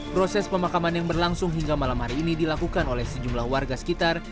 proses pemakaman yang berlangsung hingga malam hari ini dilakukan oleh sejumlah warga sekitar